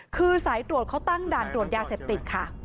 คือสายตรวจเขาตั้งด่านตรวจยาเสพติดค่ะ